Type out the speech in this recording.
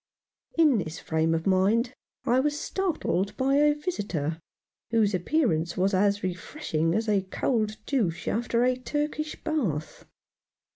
In this frame of mind I was startled by a visitor whose appearance was as refreshing as a cold douche after a Turkish bath.